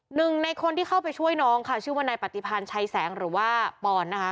หนึ่งในคนที่เข้าไปช่วยน้องค่ะชื่อว่านายปฏิพันธ์ชัยแสงหรือว่าปอนนะคะ